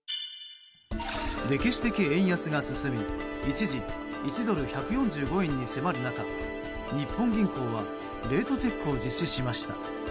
歴史的円安が進み一時１ドル＝１４５円に迫る中日本銀行はレートチェックを実施しました。